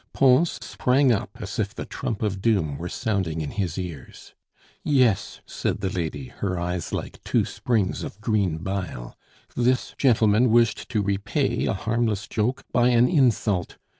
Pons sprang up as if the trump of doom were sounding in his ears. "Yes!" said the lady, her eyes like two springs of green bile, "this gentleman wished to repay a harmless joke by an insult.